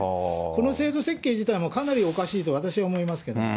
この制度設計自体、かなりおかしいと私は思いますけれども。